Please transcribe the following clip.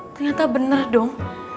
ternyata bener dong